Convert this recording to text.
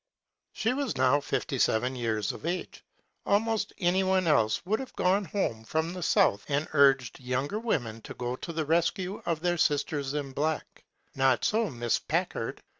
She was now fifty seven years of age. Al» most anyone else would have gone home from the south and urged younger women ta go to the rescue of their "sisters in black.'* Not so Miss Packard.